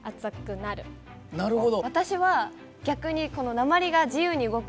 なるほど。